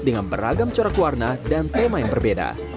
dengan beragam corak warna dan tema yang berbeda